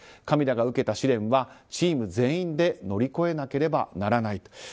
カミラが受けた試練はチーム全員で乗り越えなければならない。